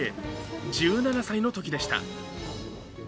１７歳のときでした。